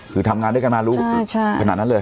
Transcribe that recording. คือทำงานด้วยกันมารู้ขนาดนั้นเลย